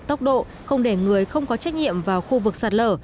tốc độ không để người không có trách nhiệm vào khu vực sạt lở